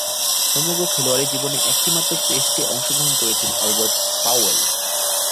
সমগ্র খেলোয়াড়ী জীবনে একটিমাত্র টেস্টে অংশগ্রহণ করেছেন আলবার্ট পাওয়েল।